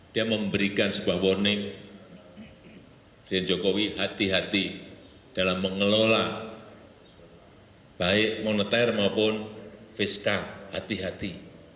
dia memberikan sebuah warning presiden jokowi hati hati dalam mengelola baik moneter maupun fiskal hati hati